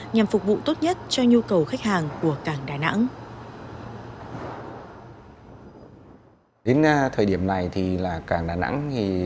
nhằm phục vụ tốt nhất cho nhu cầu khách hàng của cảng đà nẵng